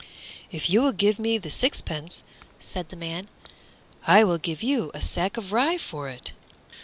"If you will give me the sixpence," said the man, "I will give you a sack of rye for it."